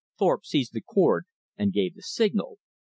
Thorpe seized the cord and gave the signal.